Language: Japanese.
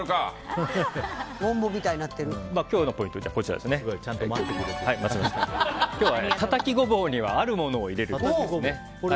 今日のポイントはたたきゴボウにはあるものを入れるべし。